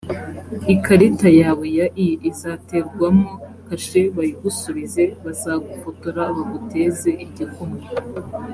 ikarita yawe ya i izaterwamo kashe bayigusubize. bazagufotora baguteze igikumwe